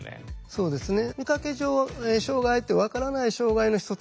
そうですね。